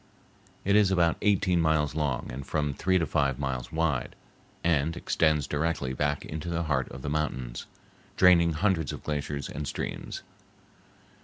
It is about eighteen miles long and from three to five miles wide, and extends directly back into the heart of the mountains, draining hundreds of glaciers and streams.